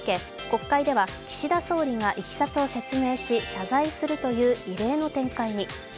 国会では岸田総理がいきさつを説明し、謝罪するという異例の展開に。